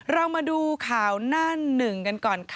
เรามาดูข่าวหน้าหนึ่งกันก่อนค่ะ